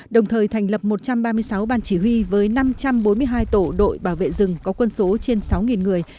đồng thời thành lập một trăm ba mươi sáu ban chỉ huy với năm trăm bốn mươi hai tổ đội bảo vệ rừng có quân số trên sáu người